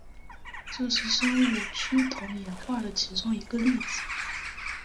这是生物趋同演化的其中一个例子。